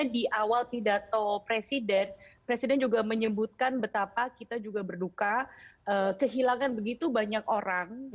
di awal pidato presiden presiden juga menyebutkan betapa kita juga berduka kehilangan begitu banyak orang